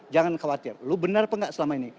jangan khawatir lu benar apa enggak selama ini